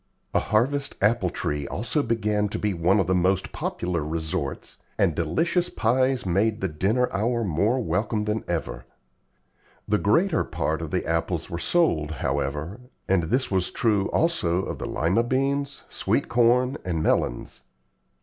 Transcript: A harvest apple tree also began to be one of the most popular resorts, and delicious pies made the dinner hour more welcome than ever. The greater part of the apples were sold, however, and this was true also of the Lima beans, sweet corn, and melons.